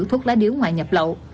thuốc lá điếu ngoài nhập lậu